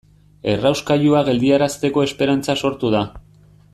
Errauskailua geldiarazteko esperantza sortu da.